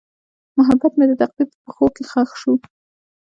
محبت مې د تقدیر په پښو کې ښخ شو.